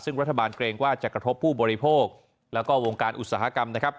ซึ่งรัฐบาลเกรงว่าจะกระทบผู้บริโภคแล้วก็วงการอุตสาหกรรมนะครับ